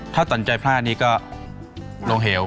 ถ้าสนใจพลาดนี่ก็ลงเหว